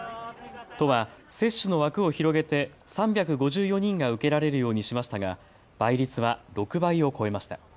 都は接種の枠を広げて３５４人が受けられるようにしましたが倍率は６倍を超えました。